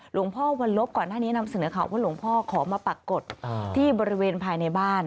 หลวงพ่อวัลลบก่อนหน้านี้นำเสนอข่าวว่าหลวงพ่อขอมาปรากฏที่บริเวณภายในบ้าน